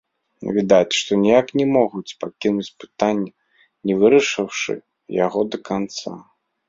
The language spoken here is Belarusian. Відаць, што ніяк не могуць пакінуць пытання, не вырашыўшы яго да канца.